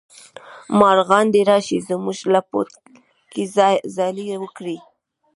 مارغان دې راشي زمونږ لپو کې ځالې وکړي